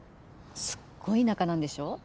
すっごい田舎なんでしょ？